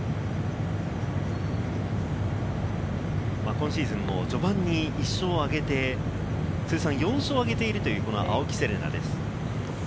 今シーズンも序盤に１勝をあげて通算４勝をあげているという青木瀬令奈です。